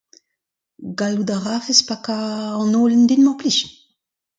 Gallout a rafes pakañ an holen din mar plij ?